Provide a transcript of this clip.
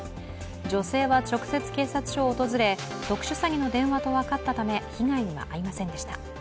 女性は直接警察署を訪れ特殊詐欺の電話と分かったため被害には遭いませんでした。